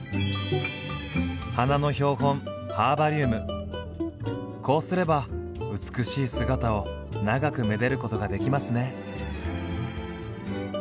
花の標本こうすれば美しい姿を長くめでることができますね。